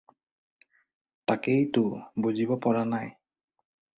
তাকেই তো বুজিব পৰা নাই।